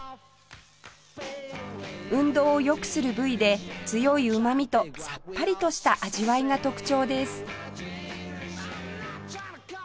運動をよくする部位で強いうまみとさっぱりとした味わいが特徴です